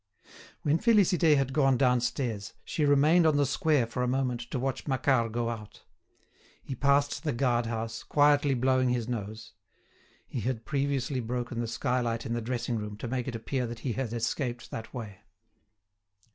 When Félicité had gone downstairs, she remained on the square for a moment to watch Macquart go out. He passed the guard house, quietly blowing his nose. He had previously broken the skylight in the dressing room, to make it appear that he had escaped that way.